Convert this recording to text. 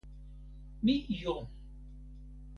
mi jo!